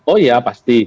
oh ya pasti